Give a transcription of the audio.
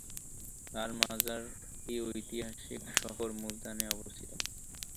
তাঁর মাজারটি ঐতিহাসিক শহর মুলতানে অবস্থিত।